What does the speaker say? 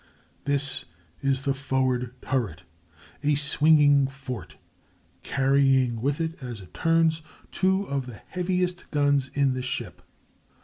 This is the forward turret—a swinging fort, carrying with it, as it turns, two of the heaviest guns in the ship.